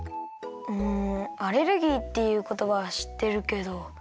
うんアレルギーっていうことばはしってるけど。